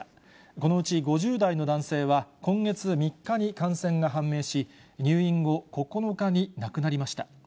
このうち５０代の男性は、今月３日に感染が判明し、入院後９日に亡くなりました。